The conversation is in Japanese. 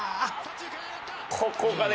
ここがね